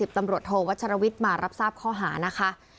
ตำรวจโทวัชรวิทย์มารับทราบข้อหานะคะ